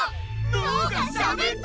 脳がしゃべった！